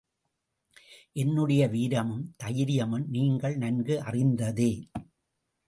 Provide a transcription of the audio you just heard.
என்னுடைய வீரமும், தைரியமும் நீங்கள் நன்கு அறிந்ததே.